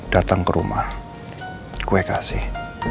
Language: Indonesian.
datang ke rumah kue kasih